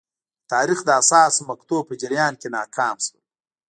د تاریخ د حساسو مقطعو په جریان کې ناکام شول.